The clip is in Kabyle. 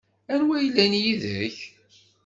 Anwa i yellan yid-k?